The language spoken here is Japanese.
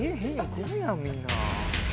組むやんみんな」